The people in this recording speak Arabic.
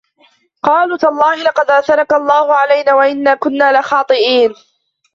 قالوا تالله لقد آثرك الله علينا وإن كنا لخاطئين